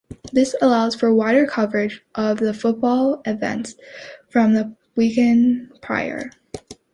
This allowed for wider coverage of the football events from the weekend prior.